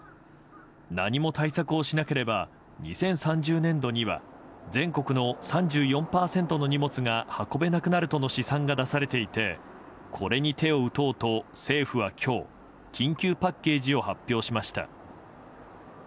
何も対策をしなければ２０３０年度には全国の３４％の荷物が運べなくなるとの試算が出されていてこれに手を打とうと政府は今日緊急パッケージを発表しました。